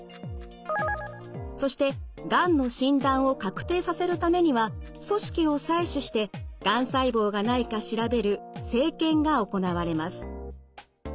そしてがんの診断を確定させるためには組織を採取してがん細胞がないか調べる生検が行われます。